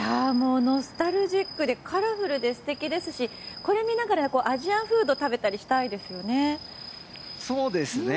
ノスタルジックでカラフルで素敵ですしこれを見ながらアジアンフードを食べたりしたいですね。